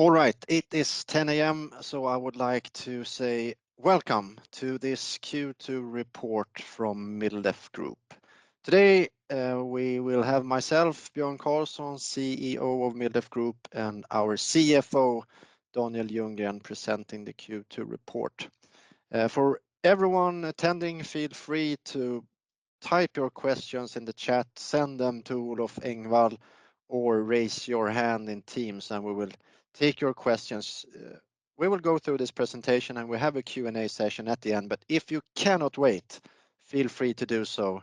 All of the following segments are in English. All right. It is 10:00 A.M., so I would like to say welcome to this Q2 report from MilDef Group. Today, we will have myself, Björn Karlsson, CEO of MilDef Group, and our CFO, Daniel Ljunggren, presenting the Q2 report. For everyone attending, feel free to type your questions in the chat, send them to Olof Engvall, or raise your hand in Teams, and we will take your questions. We will go through this presentation, and we have a Q&A session at the end. If you cannot wait, feel free to do so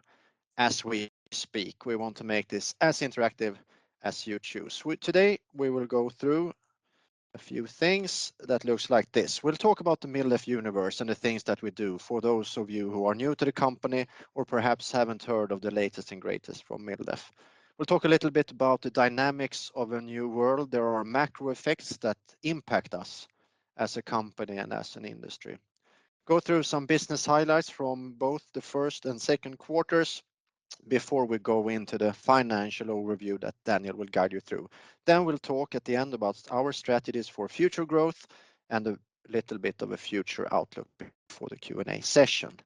as we speak. We want to make this as interactive as you choose. Today, we will go through a few things that looks like this. We'll talk about the MilDef universe and the things that we do for those of you who are new to the company or perhaps haven't heard of the latest and greatest from MilDef. We'll talk a little bit about the dynamics of a new world. There are macro effects that impact us as a company and as an industry. Go through some business highlights from both the first and second quarters before we go into the financial overview that Daniel will guide you through. Then we'll talk at the end about our strategies for future growth and a little bit of a future outlook before the Q&A session.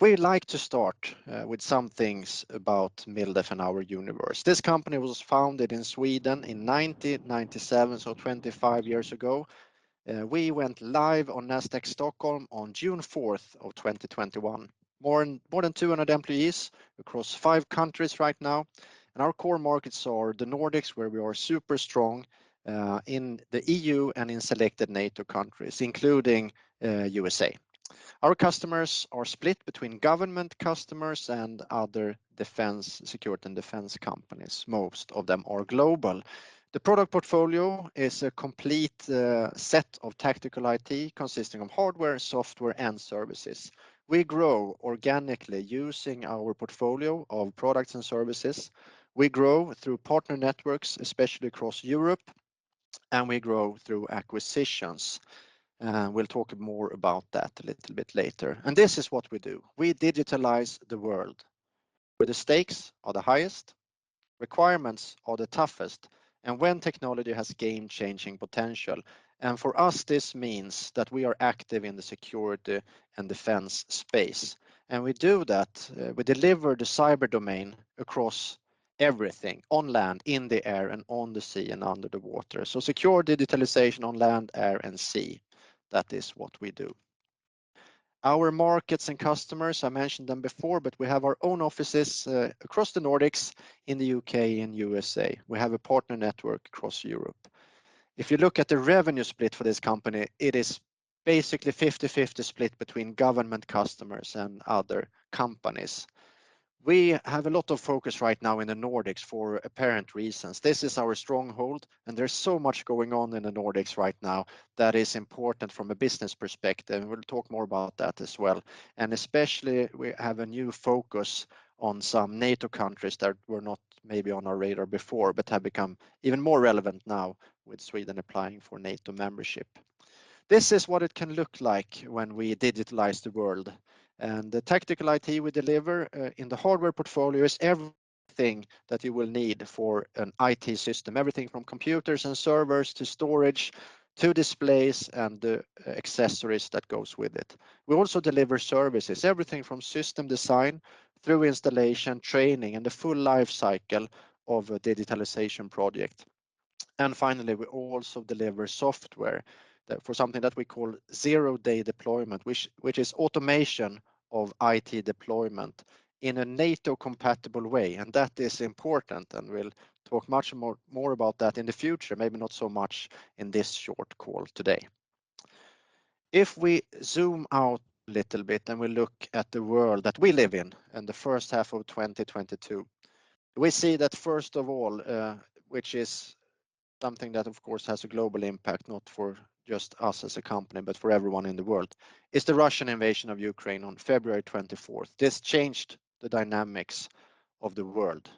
We'd like to start with some things about MilDef and our universe. This company was founded in Sweden in 1997, so 25 years ago. We went live on Nasdaq Stockholm on June 4, 2021. More than 200 employees across 5 countries right now, and our core markets are the Nordics, where we are super strong, in the EU and in selected NATO countries, including USA. Our customers are split between government customers and other defense, security, and defense companies. Most of them are global. The product portfolio is a complete set of tactical IT consisting of hardware, software, and services. We grow organically using our portfolio of products and services. We grow through partner networks, especially across Europe, and we grow through acquisitions. We'll talk more about that a little bit later. This is what we do. We digitalize the world where the stakes are the highest, requirements are the toughest, and when technology has game-changing potential. For us, this means that we are active in the security and defense space. We do that, we deliver the cyber domain across everything on land, in the air, and on the sea, and under the water. Secure digitalization on land, air, and sea. That is what we do. Our markets and customers, I mentioned them before, but we have our own offices across the Nordics, in the U.K. and USA. We have a partner network across Europe. If you look at the revenue split for this company, it is basically 50/50 split between government customers and other companies. We have a lot of focus right now in the Nordics for apparent reasons. This is our stronghold, and there's so much going on in the Nordics right now that is important from a business perspective. We'll talk more about that as well. Especially, we have a new focus on some NATO countries that were not maybe on our radar before but have become even more relevant now with Sweden applying for NATO membership. This is what it can look like when we digitalize the world. The tactical IT we deliver in the hardware portfolio is everything that you will need for an IT system. Everything from computers and servers to storage to displays and the accessories that goes with it. We also deliver services, everything from system design through installation, training, and the full life cycle of a digitalization project. Finally, we also deliver software that for something that we call zero-day deployment, which is automation of IT deployment in a NATO-compatible way, and that is important, and we'll talk much more about that in the future. Maybe not so much in this short call today. If we zoom out a little bit and we look at the world that we live in in the first half of 2022, we see that first of all, which is something that, of course, has a global impact, not for just us as a company, but for everyone in the world, is the Russian invasion of Ukraine on February 24. This changed the dynamics of the world.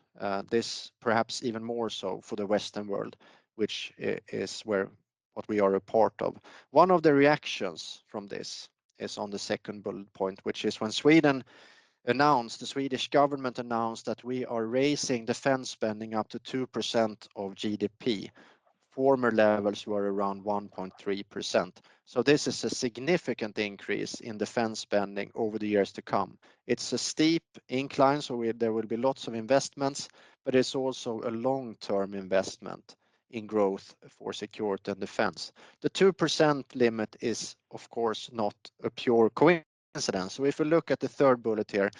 This perhaps even more so for the Western world, which is where we are a part of. One of the reactions from this is on the second bullet point, which is when Sweden announced, the Swedish government announced that we are raising defense spending up to 2% of GDP. Former levels were around 1.3%. This is a significant increase in defense spending over the years to come. It's a steep incline, there will be lots of investments, but it's also a long-term investment in growth for security and defense. The 2% limit is, of course, not a pure coincidence. If you look at the third bullet here,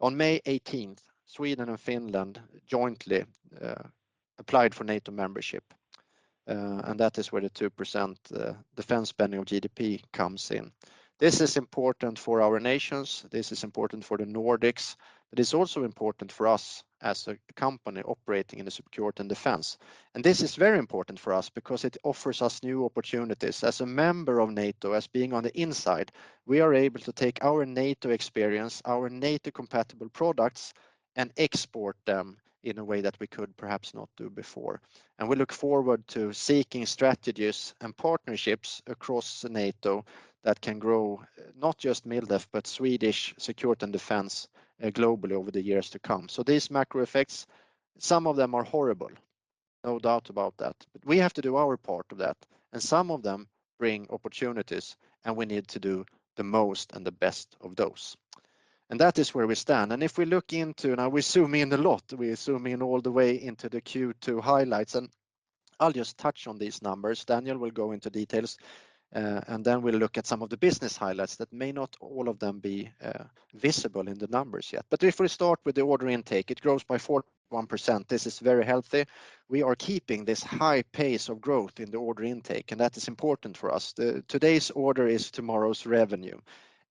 on May 18th, Sweden and Finland jointly applied for NATO membership, and that is where the 2% defense spending of GDP comes in. This is important for our nations, this is important for the Nordics, but it's also important for us as a company operating in the security and defense. This is very important for us because it offers us new opportunities. As a member of NATO, as being on the inside, we are able to take our NATO experience, our NATO-compatible products, and export them in a way that we could perhaps not do before. We look forward to seeking strategies and partnerships across NATO that can grow not just MilDef but Swedish security and defense globally over the years to come. These macro effects, some of them are horrible. No doubt about that. We have to do our part of that, and some of them bring opportunities, and we need to do the most and the best of those. That is where we stand. Now we zoom in a lot, we zoom in all the way into the Q2 highlights, and I'll just touch on these numbers. Daniel will go into details, and then we'll look at some of the business highlights that may not all of them be visible in the numbers yet. If we start with the order intake, it grows by 41%. This is very healthy. We are keeping this high pace of growth in the order intake, and that is important for us. Today's order is tomorrow's revenue.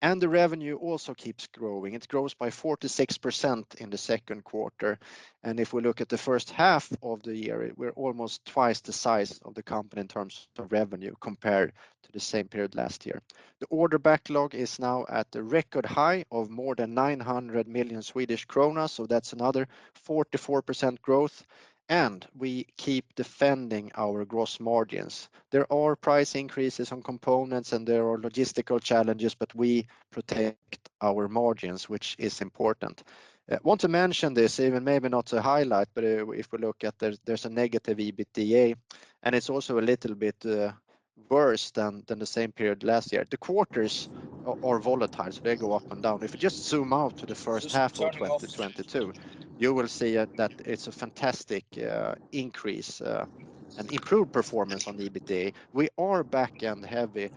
The revenue also keeps growing. It grows by 46% in the second quarter. If we look at the first half of the year, we're almost twice the size of the company in terms of revenue compared to the same period last year. The order backlog is now at a record high of more than 900 million Swedish kronor, so that's another 44% growth, and we keep defending our gross margins. There are price increases on components, and there are logistical challenges, but we protect our margins, which is important. I want to mention this, even maybe not to highlight, but if we look at there's a negative EBITDA, and it's also a little bit worse than the same period last year. The quarters are volatile, so they go up and down. If you just zoom out to the first half of 2022, you will see that it's a fantastic increase and improved performance on EBITDA. We are back-end heavy,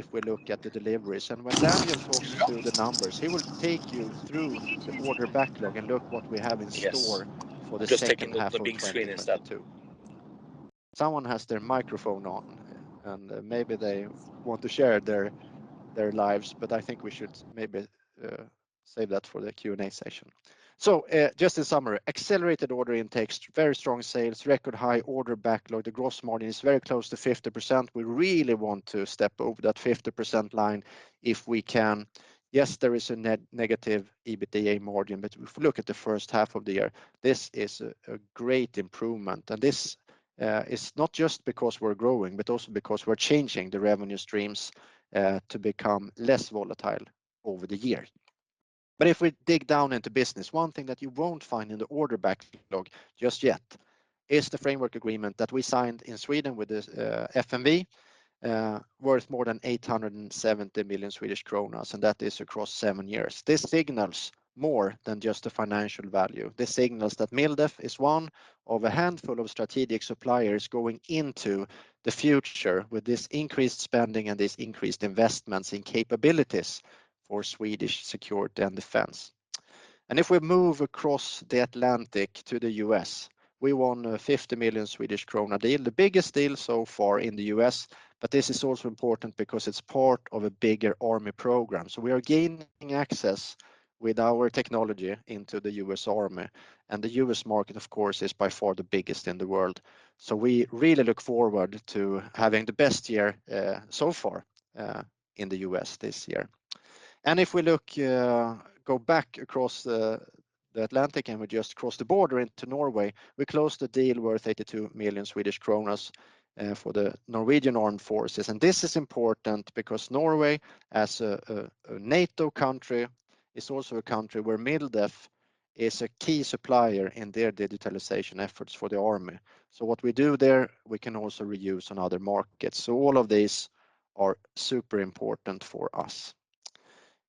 if we look at the deliveries. When Daniel talks through the numbers, he will take you through the order backlog and look what we have in store for the second half of 2022. Just taking the big screen instead too. Someone has their microphone on, and maybe they want to share their lives, but I think we should maybe save that for the Q&A session. Just in summary, accelerated order intakes, very strong sales, record high order backlog. The gross margin is very close to 50%. We really want to step over that 50% line if we can. Yes, there is a negative EBITDA margin, but if we look at the first half of the year, this is a great improvement. This is not just because we're growing, but also because we're changing the revenue streams to become less volatile over the year. If we dig down into business, one thing that you won't find in the order backlog just yet is the framework agreement that we signed in Sweden with FMV, worth more than 870 million Swedish kronor, and that is across seven years. This signals more than just the financial value. This signals that MilDef is one of a handful of strategic suppliers going into the future with this increased spending and this increased investments in capabilities for Swedish security and defense. If we move across the Atlantic to the U.S., we won a 50 million Swedish krona deal, the biggest deal so far in the U.S. This is also important because it's part of a bigger army program. We are gaining access with our technology into the U.S. Army, and the U.S. market, of course, is by far the biggest in the world. We really look forward to having the best year so far in the U.S. this year. If we go back across the Atlantic and we just cross the border into Norway, we closed a deal worth 82 million Swedish kronor for the Norwegian Armed Forces. This is important because Norway, as a NATO country, is also a country where MilDef is a key supplier in their digitalization efforts for the army. What we do there, we can also reuse on other markets. All of these are super important for us.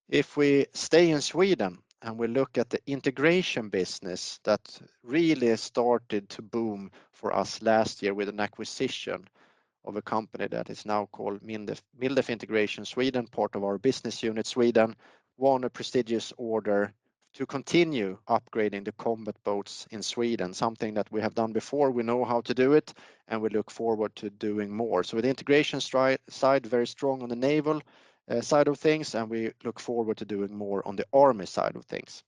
If we stay in Sweden and we look at the integration business that really started to boom for us last year with an acquisition of a company that is now called MilDef Integration Sweden, part of our business unit, Sweden, won a prestigious order to continue upgrading the combat boats in Sweden, something that we have done before. We know how to do it, and we look forward to doing more. The integration side, very strong on the naval side of things, and we look forward to doing more on the army side of things.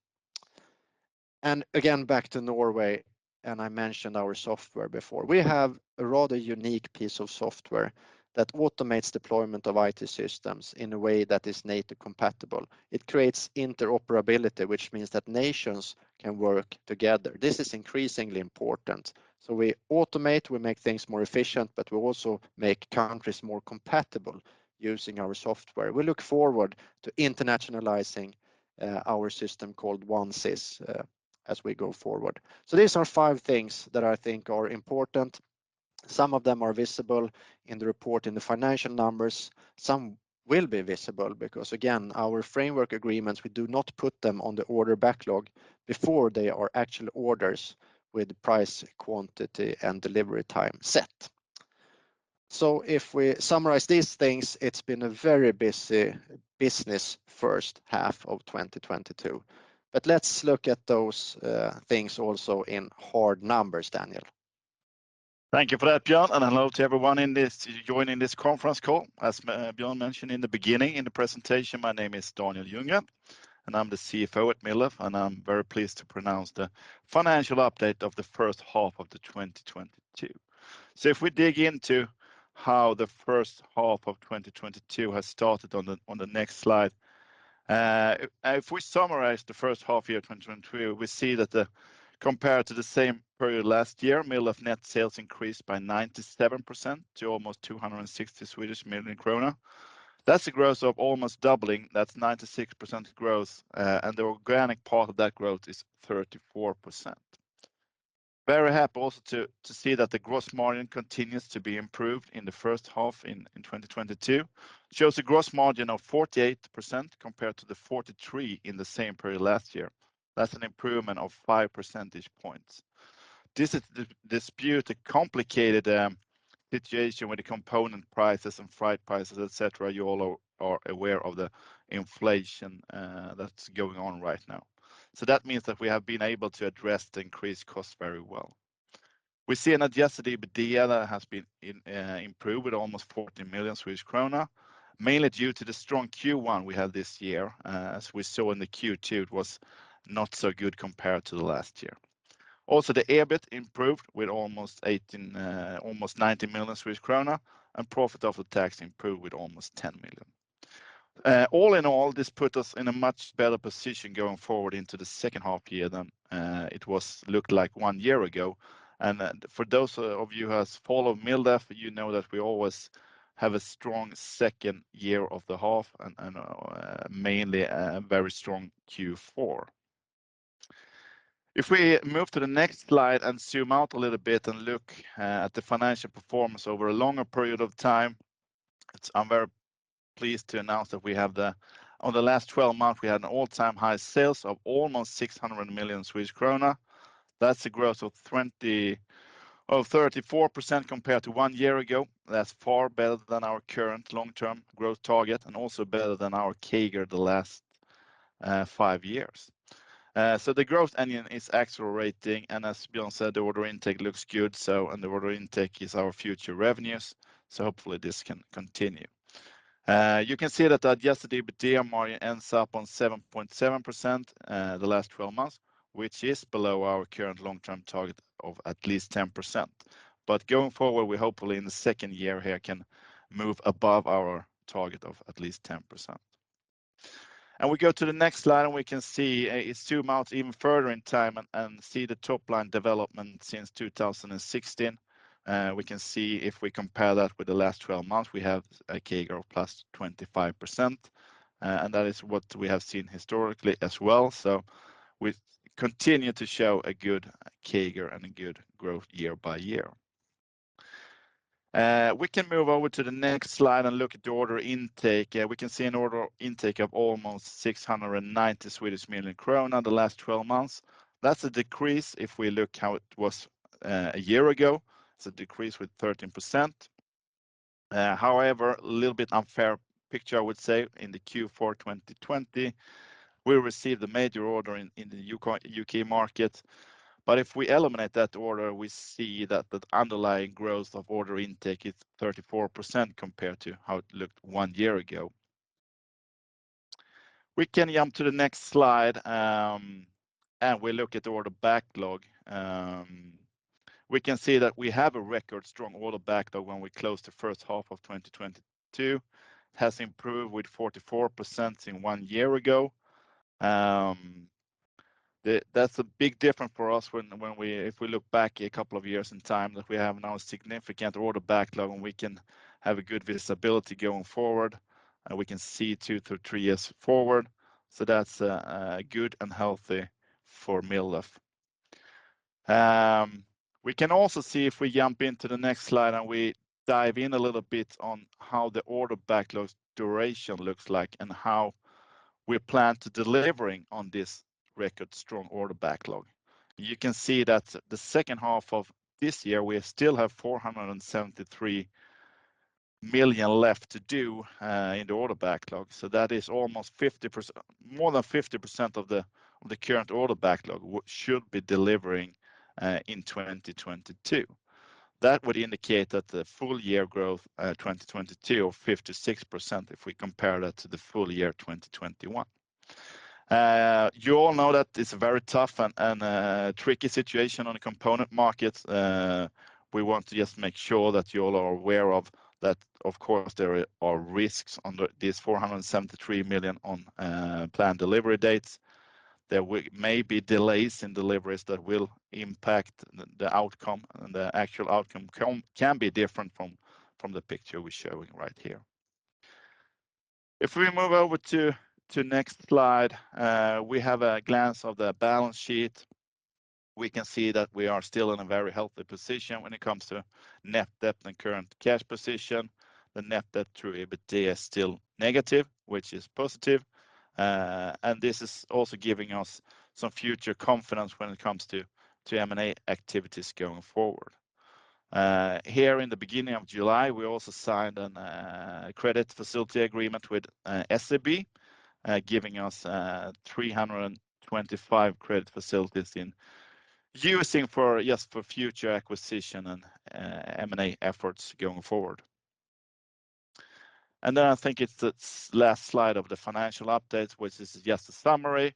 Again, back to Norway, and I mentioned our software before. We have a rather unique piece of software that automates deployment of IT systems in a way that is NATO compatible. It creates interoperability, which means that nations can work together. This is increasingly important. We automate, we make things more efficient, but we also make countries more compatible using our software. We look forward to internationalizing, our system called OneCIS, as we go forward. These are five things that I think are important. Some of them are visible in the report, in the financial numbers. Some will be visible because, again, our framework agreements, we do not put them on the order backlog before they are actual orders with price, quantity, and delivery time set. If we summarize these things, it's been a very busy business first half of 2022. Let's look at those, things also in hard numbers, Daniel. Thank you for that, Björn, and hello to everyone joining this conference call. As Björn mentioned at the beginning of the presentation, my name is Daniel Ljunggren, and I'm the CFO at MilDef, and I'm very pleased to present the financial update of the first half of 2022. If we dig into how the first half of 2022 has started on the next slide, if we summarize the first half year 2022, we see that, compared to the same period last year, MilDef net sales increased by 97% to almost 260 million krona. That's a growth of almost doubling. That's 96% growth, and the organic part of that growth is 34%. Very happy also to see that the gross margin continues to be improved in the first half in 2022. Shows a gross margin of 48% compared to the 43% in the same period last year. That's an improvement of five percentage points. This is a complicated situation with the component prices and freight prices, et cetera. You all are aware of the inflation that's going on right now. That means that we have been able to address the increased costs very well. We see the adjusted EBITDA has been improved with almost 40 million Swedish krona, mainly due to the strong Q1 we had this year. As we saw in the Q2, it was not so good compared to the last year. The EBIT improved with almost 90 million Swedish krona and profit after tax improved with almost 10 million. All in all, this put us in a much better position going forward into the second half year than it looked like one year ago. For those of you who has followed MilDef, you know that we always have a strong second year of the half and mainly a very strong Q4. If we move to the next slide and zoom out a little bit and look at the financial performance over a longer period of time, I'm very pleased to announce that on the last 12 months, we had an all-time high sales of almost 600 million krona. That's a growth of 34% compared to one year ago. That's far better than our current long-term growth target and also better than our CAGR the last five years. The growth engine is accelerating, and as Björn said, the order intake looks good, and the order intake is our future revenues, so hopefully this can continue. You can see that the adjusted EBITDA margin ends up on 7.7% the last twelve months, which is below our current long-term target of at least 10%. Going forward, we hopefully in the second year here can move above our target of at least 10%. We go to the next slide, and we can see it zoom out even further in time and see the top line development since 2016. We can see if we compare that with the last 12 months, we have a CAGR of +25%. That is what we have seen historically as well. We continue to show a good CAGR and a good growth year by year. We can move over to the next slide and look at the order intake. We can see an order intake of almost 690 million krona the last 12 months. That's a decrease if we look how it was a year ago. It's a decrease with 13%. However, a little bit unfair picture, I would say. In the Q4 2020, we received a major order in the U.K. market. If we eliminate that order, we see that the underlying growth of order intake is 34% compared to how it looked one year ago. We can jump to the next slide, we look at the order backlog. We can see that we have a record strong order backlog when we close the first half of 2022. It has improved with 44% in one year ago. That's a big difference for us if we look back a couple of years in time, that we have now a significant order backlog, and we can have a good visibility going forward, and we can see two to three years forward. That's good and healthy for MilDef. We can also see if we jump into the next slide, and we dive in a little bit on how the order backlog duration looks like and how we plan to delivering on this record strong order backlog. You can see that the second half of this year, we still have 473 million left to do in the order backlog. That is almost 50%, more than 50% of the current order backlog, which should be delivering in 2022. That would indicate that the full year growth 2022 of 56% if we compare that to the full year 2021. You all know that it's very tough and tricky situation on the component market. We want to just make sure that you all are aware of that, of course, there are risks under these 473 million on planned delivery dates. There may be delays in deliveries that will impact the outcome, and the actual outcome can be different from the picture we're showing right here. If we move over to next slide, we have a glimpse of the balance sheet. We can see that we are still in a very healthy position when it comes to net debt and current cash position. The net debt to EBITDA is still negative, which is positive, and this is also giving us some future confidence when it comes to M&A activities going forward. Here in the beginning of July, we also signed a credit facility agreement with SEB, giving us a 325 million SEK credit facility to use for future acquisition and M&A efforts going forward. I think it's the last slide of the financial update, which is just a summary.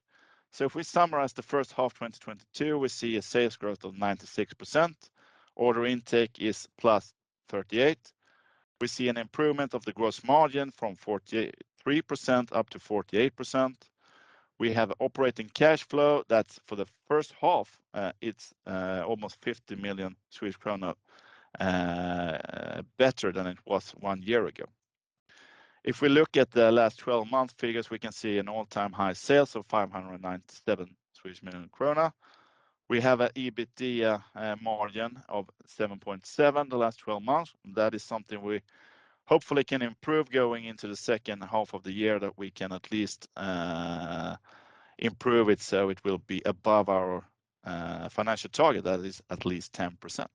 If we summarize the first half 2022, we see a sales growth of 96%. Order intake is +38%. We see an improvement of the gross margin from 43% up to 48%. We have operating cash flow that's for the first half, it's almost 50 million krona better than it was one year ago. If we look at the last twelve-month figures, we can see an all-time high sales of 597 million krona. We have an EBITA margin of 7.7% the last 12 months. That is something we hopefully can improve going into the second half of the year that we can at least improve it, so it will be above our financial target that is at least 10%.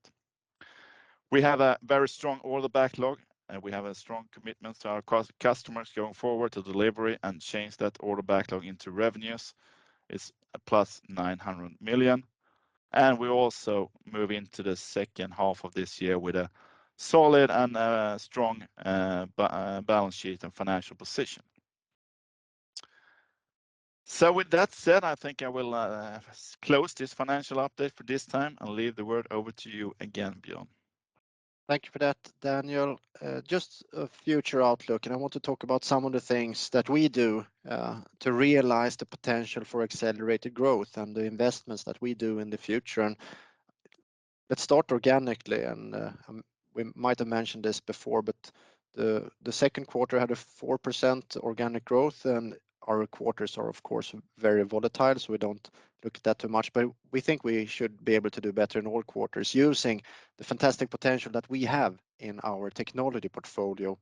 We have a very strong order backlog, and we have a strong commitment to our customers going forward to deliver and convert that order backlog into revenues is +900 million. We also move into the second half of this year with a solid and a strong balance sheet and financial position. With that said, I think I will close this financial update for this time and hand the word over to you again, Björn. Thank you for that, Daniel. Just a future outlook, and I want to talk about some of the things that we do to realize the potential for accelerated growth and the investments that we do in the future. Let's start organically, and we might have mentioned this before, but the second quarter had a 4% organic growth, and our quarters are of course very volatile, so we don't look at that too much. But we think we should be able to do better in all quarters using the fantastic potential that we have in our technology portfolio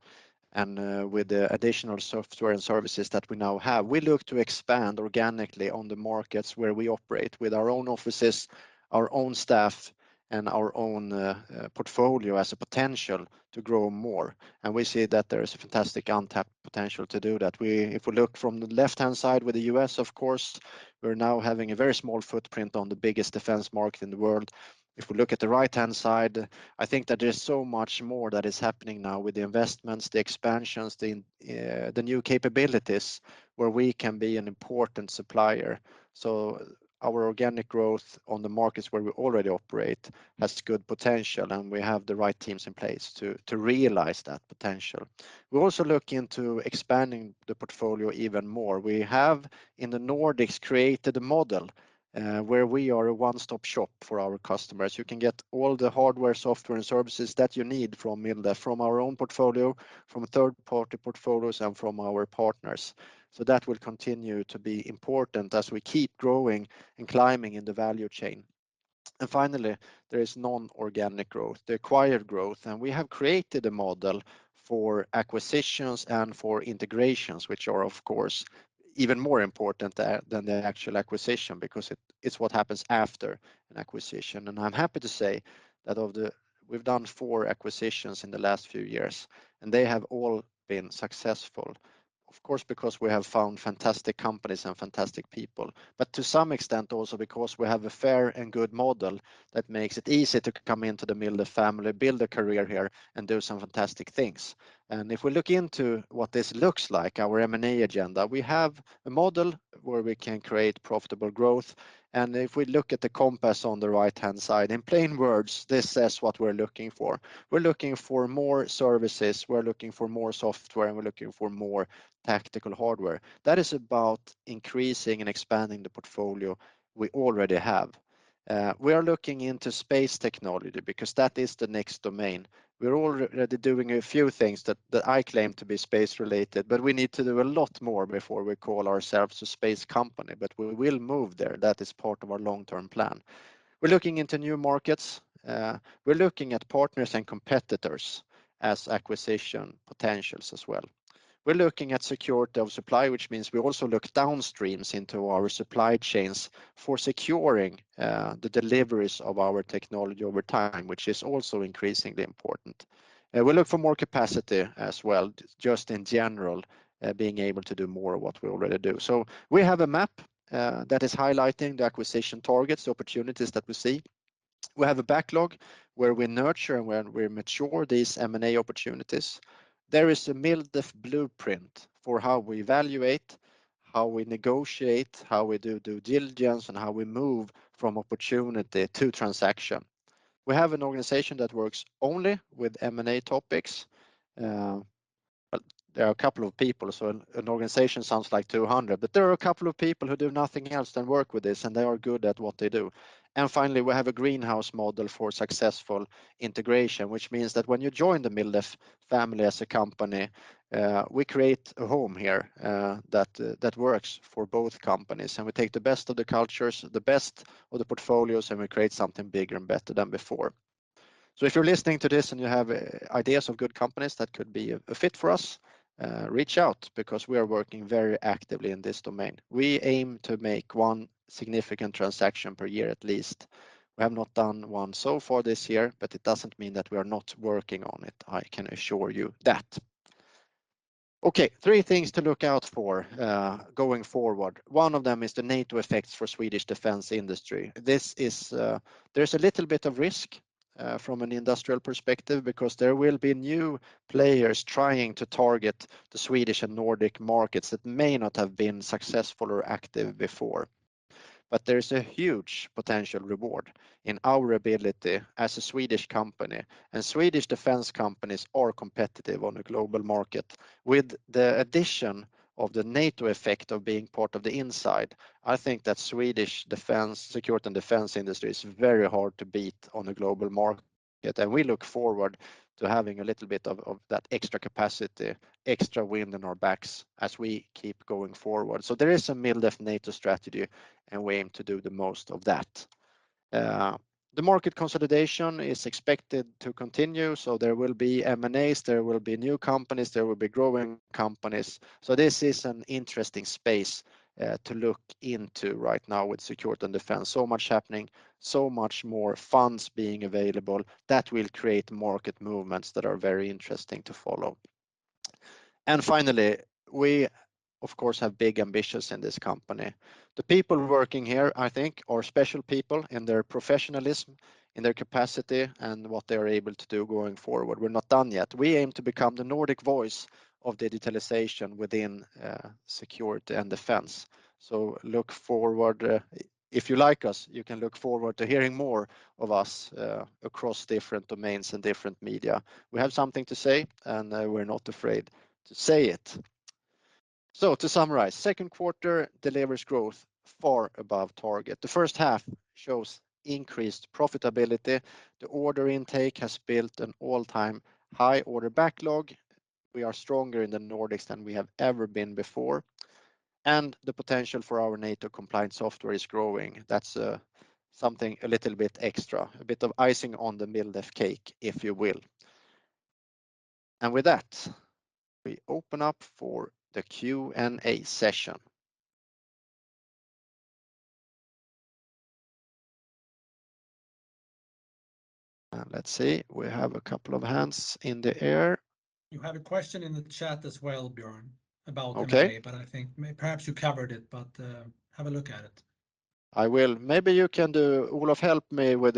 and with the additional software and services that we now have. We look to expand organically on the markets where we operate with our own offices, our own staff, and our own portfolio as a potential to grow more. We see that there is a fantastic untapped potential to do that. If we look from the left-hand side with the U.S., of course, we're now having a very small footprint on the biggest defense market in the world. If we look at the right-hand side, I think that there's so much more that is happening now with the investments, the expansions, the new capabilities where we can be an important supplier. Our organic growth on the markets where we already operate has good potential, and we have the right teams in place to realize that potential. We also look into expanding the portfolio even more. We have, in the Nordics, created a model where we are a one-stop shop for our customers. You can get all the hardware, software, and services that you need from MilDef, from our own portfolio, from third-party portfolios, and from our partners. That will continue to be important as we keep growing and climbing in the value chain. Finally, there is non-organic growth, the acquired growth. We have created a model for acquisitions and for integrations, which are of course, even more important than the actual acquisition because it's what happens after an acquisition. I'm happy to say we've done four acquisitions in the last few years, and they have all been successful. Of course, because we have found fantastic companies and fantastic people. To some extent also because we have a fair and good model that makes it easy to come into the middle of the family, build a career here, and do some fantastic things. If we look into what this looks like, our M&A agenda, we have a model where we can create profitable growth. If we look at the compass on the right-hand side, in plain words, this says what we're looking for. We're looking for more services, we're looking for more software, and we're looking for more tactical hardware. That is about increasing and expanding the portfolio we already have. We are looking into space technology because that is the next domain. We're already doing a few things that I claim to be space-related, but we need to do a lot more before we call ourselves a space company, but we will move there. That is part of our long-term plan. We're looking into new markets. We're looking at partners and competitors as acquisition potentials as well. We're looking at security of supply, which means we also look downstream into our supply chains for securing the deliveries of our technology over time, which is also increasingly important. We look for more capacity as well, just in general, being able to do more of what we already do. We have a map that is highlighting the acquisition targets, opportunities that we see. We have a backlog where we nurture and where we mature these M&A opportunities. There is a MilDef blueprint for how we evaluate, how we negotiate, how we do due diligence, and how we move from opportunity to transaction. We have an organization that works only with M&A topics. There are a couple of people. An organization sounds like 200, but there are a couple of people who do nothing else than work with this, and they are good at what they do. Finally, we have a greenhouse model for successful integration, which means that when you join the MilDef family as a company, we create a home here, that works for both companies. We take the best of the cultures, the best of the portfolios, and we create something bigger and better than before. If you're listening to this and you have ideas of good companies that could be a fit for us, reach out because we are working very actively in this domain. We aim to make one significant transaction per year at least. We have not done one so far this year, but it doesn't mean that we are not working on it. I can assure you that. Okay, three things to look out for, going forward. One of them is the NATO effects for Swedish defense industry. This is. There's a little bit of risk, from an industrial perspective because there will be new players trying to target the Swedish and Nordic markets that may not have been successful or active before. There is a huge potential reward in our ability as a Swedish company, and Swedish defense companies are competitive on a global market. With the addition of the NATO effect of being part of the inside, I think that Swedish defense, security, and defense industry is very hard to beat on the global market, and we look forward to having a little bit of that extra capacity, extra wind in our backs as we keep going forward. There is a MilDef NATO strategy, and we aim to do the most of that. The market consolidation is expected to continue, so there will be M&As, there will be new companies, there will be growing companies. This is an interesting space to look into right now with security and defense. So much happening, so much more funds being available. That will create market movements that are very interesting to follow. Finally, we of course have big ambitions in this company. The people working here, I think, are special people in their professionalism, in their capacity, and what they are able to do going forward. We're not done yet. We aim to become the Nordic voice of digitalization within security and defense. Look forward, if you like us, you can look forward to hearing more of us, across different domains and different media. We have something to say, and, we're not afraid to say it. To summarize, second quarter delivers growth far above target. The first half shows increased profitability. The order intake has built an all-time high order backlog. We are stronger in the Nordics than we have ever been before, and the potential for our NATO compliant software is growing. That's something a little bit extra, a bit of icing on the MilDef cake, if you will. With that, we open up for the Q&A session. Let's see. We have a couple of hands in the air. You have a question in the chat as well, Björn, about M&A. Okay. I think perhaps you covered it, but have a look at it. I will. Maybe you can, Olof, help me with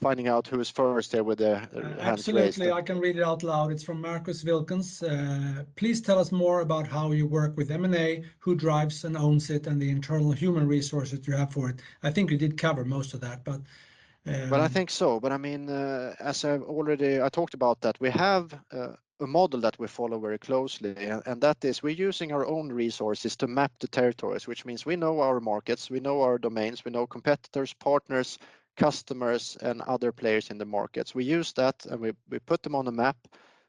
finding out who is first there with their hands raised. Absolutely. I can read it out loud. It's from Marcus Wilkins. "Please tell us more about how you work with M&A, who drives and owns it, and the internal human resources you have for it." I think you did cover most of that, but. Well, I think so, but I mean, I talked about that. We have a model that we follow very closely, and that is we're using our own resources to map the territories, which means we know our markets, we know our domains, we know competitors, partners, customers, and other players in the markets. We use that, and we put them on a map.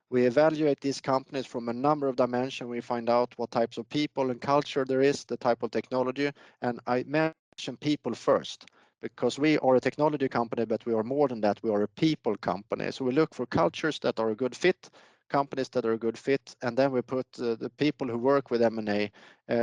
We evaluate these companies from a number of dimension. We find out what types of people and culture there is, the type of technology. I mention people first, because we are a technology company, but we are more than that. We are a people company. We look for cultures that are a good fit, companies that are a good fit, and then we put the people who work with M&A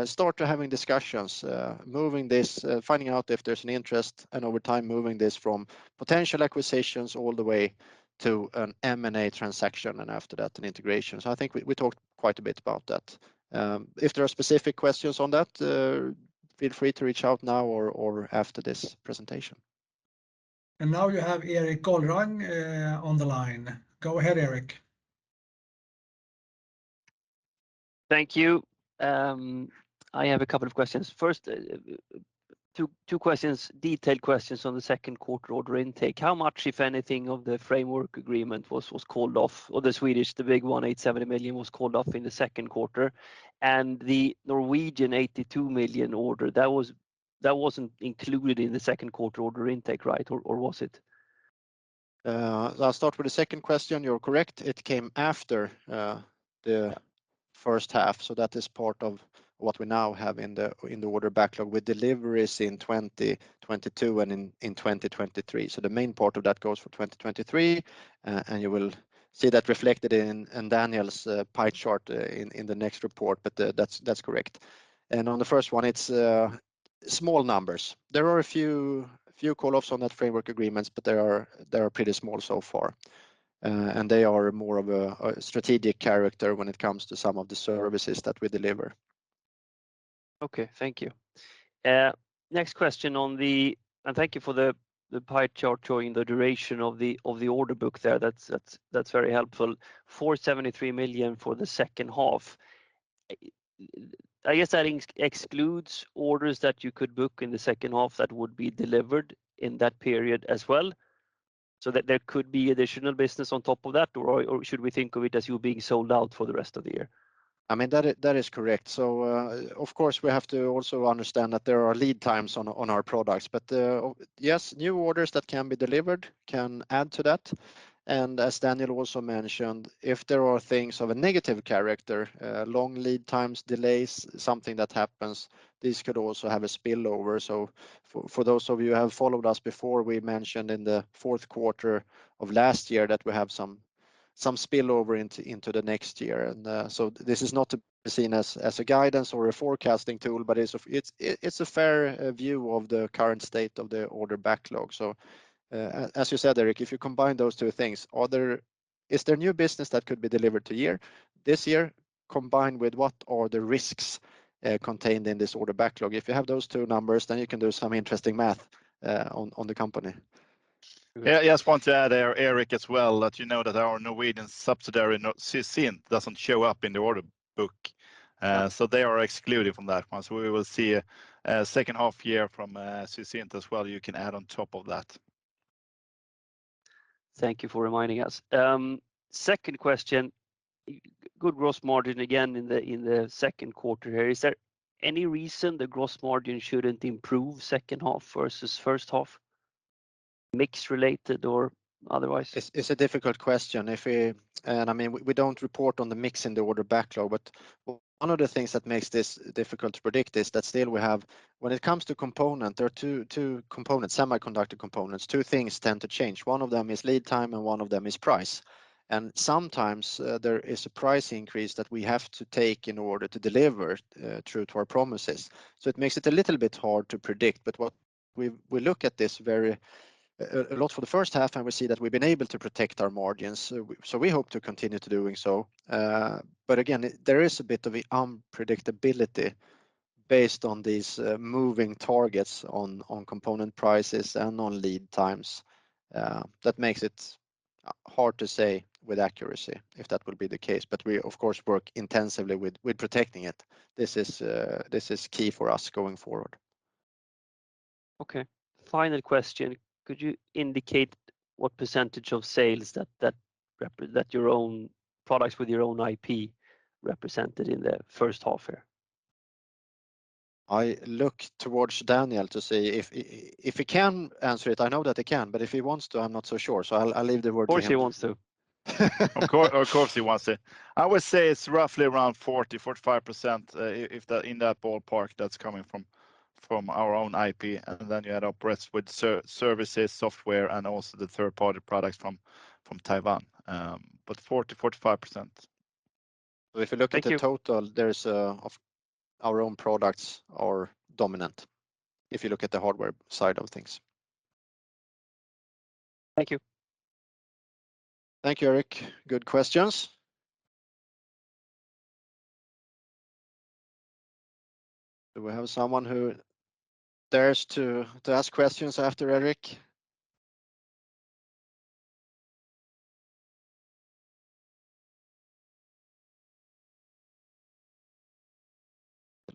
start having discussions, moving this, finding out if there's an interest, and over time, moving this from potential acquisitions all the way to an M&A transaction and after that an integration. I think we talked quite a bit about that. If there are specific questions on that, feel free to reach out now or after this presentation. Now you have Erik Golrang on the line. Go ahead, Erik. Thank you. I have a couple of questions. First, two questions, detailed questions on the second quarter order intake. How much, if anything, of the framework agreement was called off? Or the Swedish, the big one, 870 million was called off in the second quarter, and the Norwegian 82 million order, that wasn't included in the second quarter order intake, right? Or was it? I'll start with the second question. You're correct. It came after the first half. That is part of what we now have in the order backlog with deliveries in 2022 and in 2023. The main part of that goes for 2023, and you will see that reflected in Daniel Ljunggren's pie chart in the next report. That's correct. On the first one, it's small numbers. There are a few call-offs on that framework agreements, but they are pretty small so far. They are more of a strategic character when it comes to some of the services that we deliver. Okay. Thank you. Next question on the pie chart showing the duration of the order book there. That's very helpful. 473 million for the second half. I guess that excludes orders that you could book in the second half that would be delivered in that period as well, so that there could be additional business on top of that, or should we think of it as you being sold out for the rest of the year? I mean, that is correct. Of course, we have to also understand that there are lead times on our products. Yes, new orders that can be delivered can add to that. As Daniel also mentioned, if there are things of a negative character, long lead times, delays, something that happens, this could also have a spillover. For those of you who have followed us before, we mentioned in the fourth quarter of last year that we have some spillover into the next year. This is not to be seen as a guidance or a forecasting tool, but it's a fair view of the current state of the order backlog. As you said, Erik, if you combine those two things, is there new business that could be delivered this year, combined with what are the risks contained in this order backlog? If you have those two numbers, then you can do some interesting math on the company Yeah, I just want to add there, Erik, as well that you know that our Norwegian subsidiary, Sysint, doesn't show up in the order book. They are excluded from that one. We will see a second half year from Sysint as well you can add on top of that. Thank you for reminding us. Second question. Good gross margin again in the second quarter here. Is there any reason the gross margin shouldn't improve second half versus first half, mix-related or otherwise? It's a difficult question. I mean, we don't report on the mix in the order backlog, but one of the things that makes this difficult to predict is that still we have. When it comes to component, there are two components, semiconductor components, two things tend to change. One of them is lead time, and one of them is price. Sometimes, there is a price increase that we have to take in order to deliver true to our promises. It makes it a little bit hard to predict. What we look at this very a lot for the first half, and we see that we've been able to protect our margins, so we hope to continue to doing so. Again, there is a bit of an unpredictability based on these, moving targets on component prices and on lead times, that makes it hard to say with accuracy if that will be the case. We of course work intensively with protecting it. This is key for us going forward. Okay. Final question. Could you indicate what percentage of sales that your own products with your own IP represented in the first half year? I look towards Daniel to see if he can answer it. I know that he can, but if he wants to, I'm not so sure. I'll leave the word to him. Of course he wants to. Of course he wants to. I would say it's roughly around 40%-45%, if that, in that ballpark that's coming from our own IP, and then you add our services, software, and also the third-party products from Taiwan, but 40%-45%. Thank you. If you look at the total, there is of our own products are dominant if you look at the hardware side of things. Thank you. Thank you, Erik. Good questions. Do we have someone who dares to ask questions after Erik?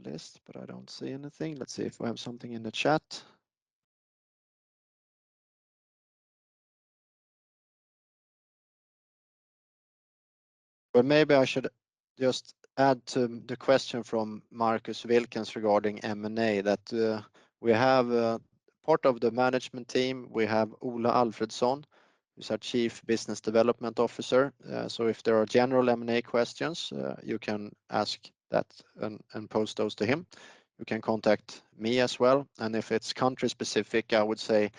The list, but I don't see anything. Let's see if we have something in the chat. Maybe I should just add to the question from Marcus Wilkins regarding M&A that we have part of the management team, we have Ola Alfredsson, who's our Chief Business Development Officer. So if there are general M&A questions, you can ask that and pose those to him. You can contact me as well. If it's country-specific, I would say,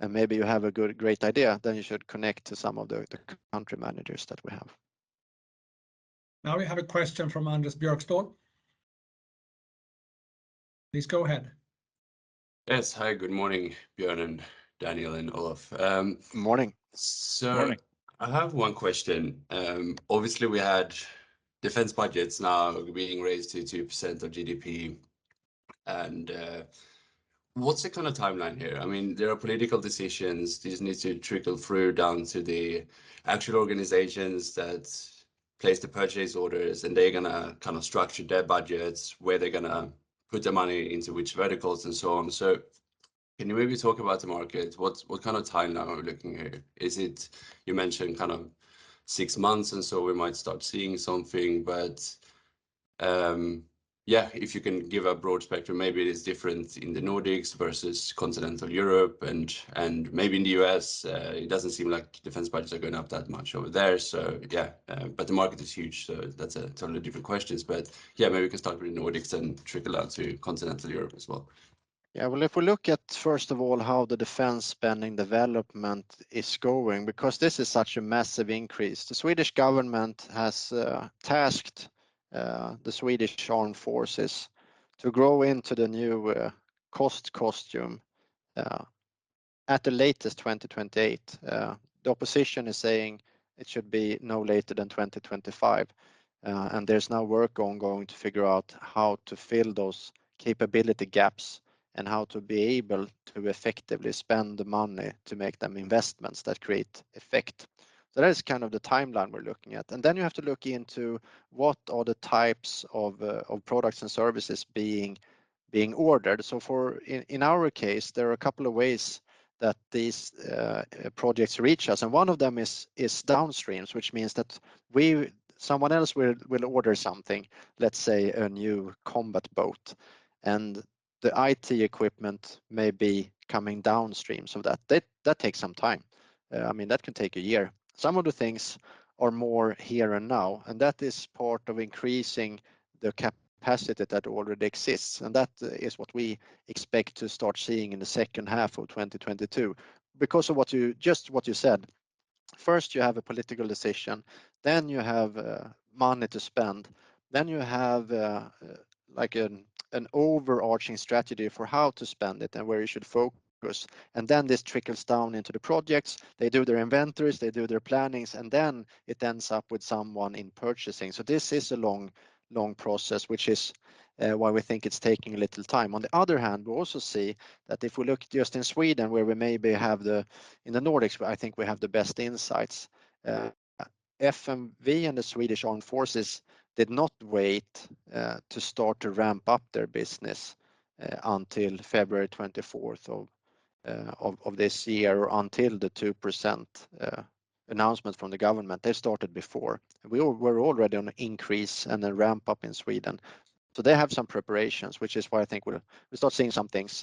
and maybe you have a good, great idea, then you should connect to some of the country managers that we have. Now we have a question from Anders Björkstén. Please go ahead. Yes. Hi, good morning, Björn and Daniel and Olof. Morning. So- Morning I have one question. Obviously, we had defense budgets now being raised to 2% of GDP, and what's the kind of timeline here? I mean, there are political decisions. These need to trickle through down to the actual organizations that place the purchase orders, and they're gonna kind of structure their budgets, where they're gonna put the money into which verticals and so on. Can you maybe talk about the market? What kind of timeline are we looking at here? Is it? You mentioned kind of six months, and so we might start seeing something. Yeah, if you can give a broad spectrum, maybe it is different in the Nordics versus continental Europe and maybe in the U.S., it doesn't seem like defense budgets are going up that much over there. Yeah. The market is huge, so that's a totally different question. Yeah, maybe we can start with Nordics and trickle down to continental Europe as well. Yeah. Well, if we look at, first of all, how the defense spending development is going, because this is such a massive increase. The Swedish government has tasked the Swedish Armed Forces to grow into the new cost structure at the latest 2028. The opposition is saying it should be no later than 2025, and there's now work ongoing to figure out how to fill those capability gaps and how to be able to effectively spend the money to make them investments that create effect. That is kind of the timeline we're looking at. You have to look into what are the types of products and services being ordered. In our case, there are a couple of ways that these projects reach us, and one of them is downstream, which means that someone else will order something, let's say a new combat boat, and the IT equipment may be coming downstream. That takes some time. I mean, that can take a year. Some of the things are more here and now, and that is part of increasing the capacity that already exists, and that is what we expect to start seeing in the second half of 2022. Because of what you just said, first you have a political decision, then you have money to spend, then you have like an overarching strategy for how to spend it and where you should focus, and then this trickles down into the projects. They do their inventories, they do their plannings, and then it ends up with someone in purchasing. This is a long, long process, which is why we think it's taking a little time. On the other hand, we also see that if we look just in Sweden, in the Nordics, where I think we have the best insights, FMV and the Swedish Armed Forces did not wait to start to ramp up their business until February twenty-fourth of this year or until the 2% announcement from the government. They started before. We were already on an increase and a ramp up in Sweden. They have some preparations, which is why I think we start seeing some things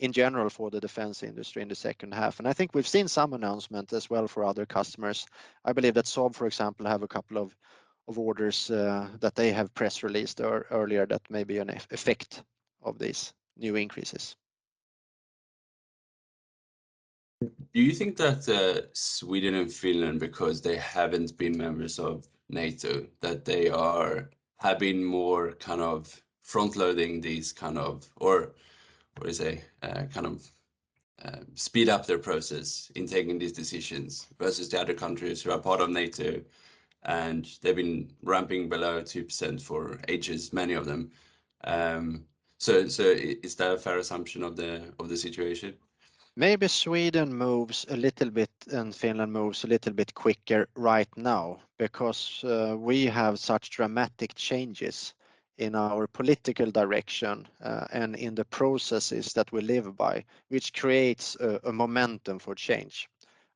in general for the defense industry in the second half. I think we've seen some announcement as well for other customers. I believe that Saab, for example, have a couple of orders that they have press released earlier that may be an effect of these new increases. Do you think that Sweden and Finland, because they haven't been members of NATO, that they have been more kind of front-loading these kind of, or what is a kind of speed up their process in taking these decisions versus the other countries who are part of NATO, and they've been ramping below 2% for ages, many of them. Is that a fair assumption of the situation? Maybe Sweden moves a little bit, and Finland moves a little bit quicker right now because we have such dramatic changes in our political direction and in the processes that we live by, which creates a momentum for change.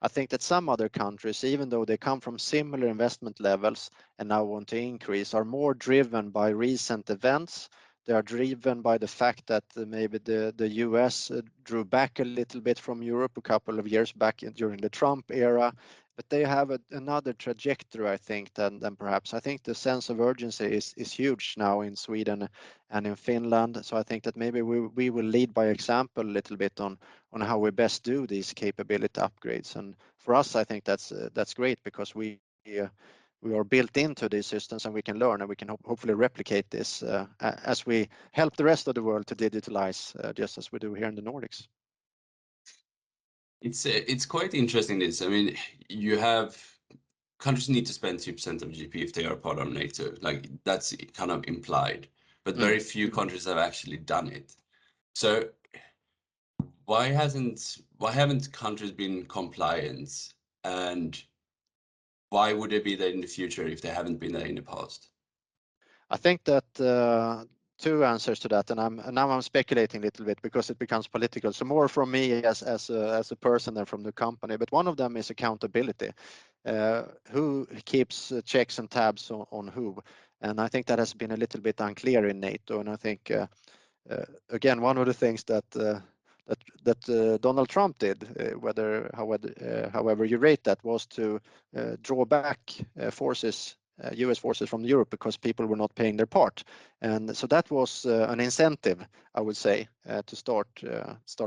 I think that some other countries, even though they come from similar investment levels and now want to increase, are more driven by recent events. They are driven by the fact that maybe the U.S. drew back a little bit from Europe a couple of years back during the Trump era. They have another trajectory, I think, than perhaps. I think the sense of urgency is huge now in Sweden and in Finland. I think that maybe we will lead by example a little bit on how we best do these capability upgrades. For us, I think that's great because we are built into these systems, and we can learn, and we can hopefully replicate this, as we help the rest of the world to digitalize, just as we do here in the Nordics. It's quite interesting this. I mean, countries need to spend 2% of GDP if they are part of NATO. Like, that's kind of implied. Mm-hmm. Very few countries have actually done it. Why haven't countries been compliant, and why would they be there in the future if they haven't been there in the past? I think that two answers to that, and now I'm speculating a little bit because it becomes political. More from me as a person than from the company, but one of them is accountability. Who keeps checks and tabs on who? I think that has been a little bit unclear in NATO. I think again one of the things that Donald Trump did, however you rate that, was to draw back U.S. forces from Europe because people were not paying their part. That was an incentive, I would say, to start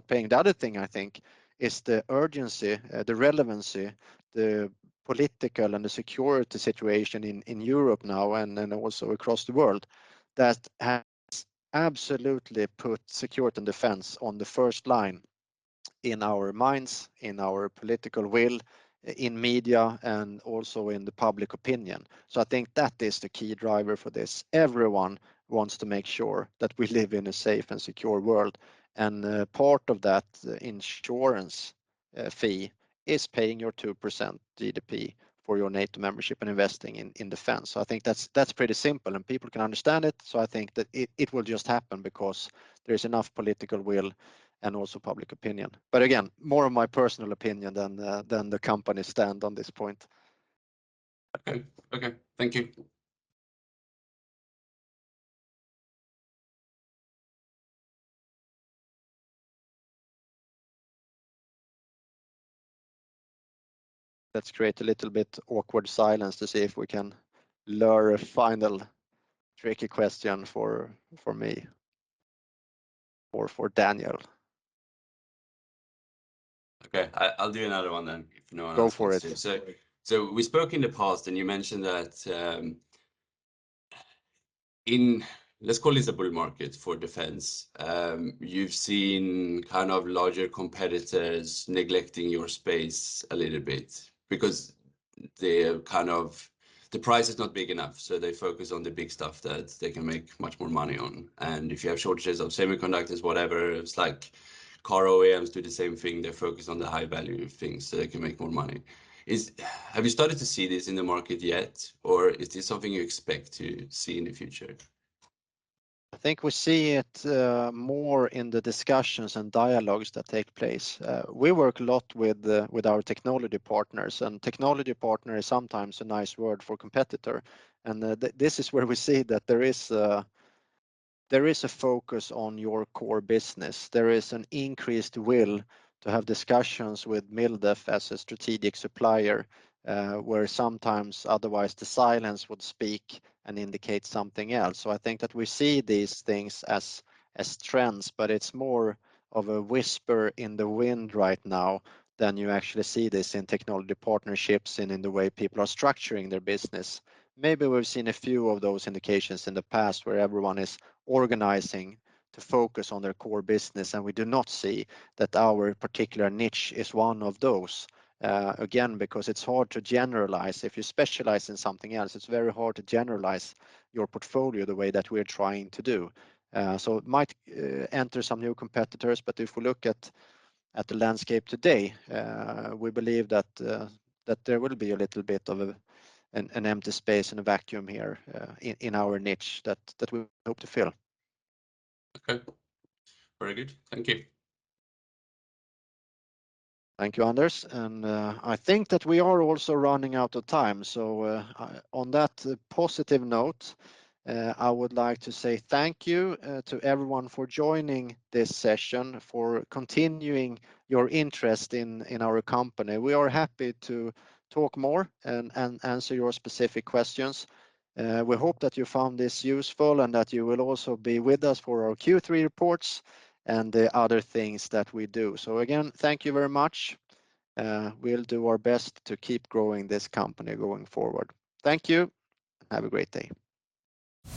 paying. The other thing, I think, is the urgency, the relevancy, the political and the security situation in Europe now and then also across the world that has absolutely put security and defense on the first line in our minds, in our political will, in media, and also in the public opinion. I think that is the key driver for this. Everyone wants to make sure that we live in a safe and secure world, and part of that insurance fee is paying your 2% GDP for your NATO membership and investing in defense. I think that's pretty simple, and people can understand it. I think that it will just happen because there is enough political will and also public opinion. Again, more of my personal opinion than the company's stance on this point. Okay. Okay. Thank you. Let's create a little bit awkward silence to see if we can lure a final tricky question for me or for Daniel. Okay. I'll do another one then if no one else wants to. Go for it. We spoke in the past, and you mentioned that, in, let's call it a bull market for defense, you've seen kind of larger competitors neglecting your space a little bit because they have kind of the price is not big enough, so they focus on the big stuff that they can make much more money on. If you have shortages of semiconductors, whatever, it's like car OEMs do the same thing. They focus on the high value things, so they can make more money. Have you started to see this in the market yet, or is this something you expect to see in the future? I think we see it more in the discussions and dialogues that take place. We work a lot with our technology partners, and technology partner is sometimes a nice word for competitor. This is where we see that there is a focus on your core business. There is an increased will to have discussions with MilDef as a strategic supplier, where sometimes otherwise the silence would speak and indicate something else. I think that we see these things as trends, but it's more of a whisper in the wind right now than you actually see this in technology partnerships and in the way people are structuring their business. Maybe we've seen a few of those indications in the past where everyone is organizing to focus on their core business, and we do not see that our particular niche is one of those, again, because it's hard to generalize. If you specialize in something else, it's very hard to generalize your portfolio the way that we're trying to do. It might enter some new competitors, but if we look at the landscape today, we believe that there will be a little bit of an empty space and a vacuum here in our niche that we hope to fill. Okay. Very good. Thank you. Thank you, Anders. I think that we are also running out of time. On that positive note, I would like to say thank you to everyone for joining this session, for continuing your interest in our company. We are happy to talk more and answer your specific questions. We hope that you found this useful and that you will also be with us for our Q3 reports and the other things that we do. Again, thank you very much. We'll do our best to keep growing this company going forward. Thank you. Have a great day.